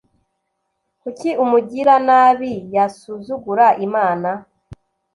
Kuki umugiranabi yasuzugura Imana